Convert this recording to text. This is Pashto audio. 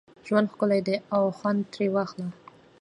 ژوند ښکلی دی او خوند ترې واخله